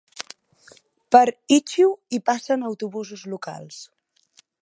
Per Ichiu hi passen autobusos locals.